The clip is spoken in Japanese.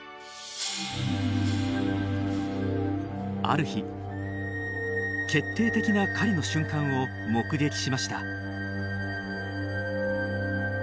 ある日決定的な狩りの瞬間を目撃しました。